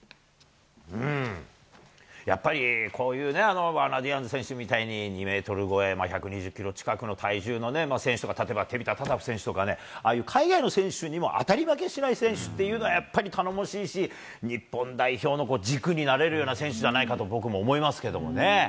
やっぱり、こういうね、ワーナー・ディアンズ選手みたいに２メートル超え、１２０キロ近くの体重の選手とか、例えば、タタフ選手とかね、ああいう海外の選手にも、当たり負けしない選手っていうのは、やっぱり頼もしいし、日本代表の軸になれるような選手じゃないかなと、僕も思いますけどもね。